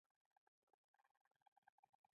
له لېرې مې د تورو لوګیو انبار په آسمان کې ولید